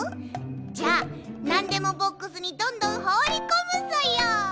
じゃあなんでもボックスにどんどんほうりこむソヨ！